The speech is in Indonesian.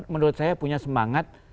menurut saya punya semangat